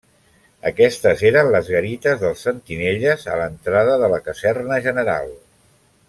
Aquestes eren les garites dels sentinelles a l'entrada de la Caserna General.